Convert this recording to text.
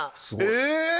え